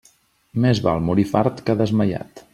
Més val morir fart que desmaiat.